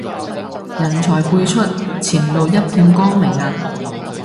人才輩出，前路一片光明啊